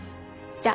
じゃあ。